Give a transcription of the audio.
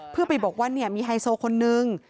เพื่อไปบอกว่ามีไฮโซคนนึง